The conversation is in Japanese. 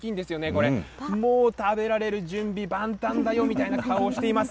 これ、もう食べられる準備万端だよみたいな顔をしています。